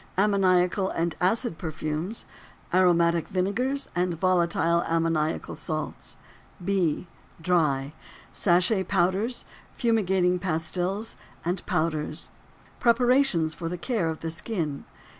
Ammoniacal and acid perfumes: aromatic vinegars and volatile ammoniacal salts. B. Dry.—Sachet powders, fumigating pastils and powders. PREPARATIONS FOR THE CARE OF THE SKIN.